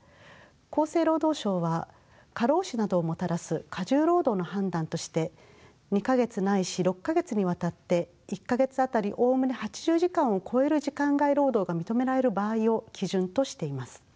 厚生労働省は過労死などをもたらす過重労働の判断として「２か月間ないし６か月間にわたって１か月当たりおおむね８０時間を超える時間外労働が認められる場合」を基準としています。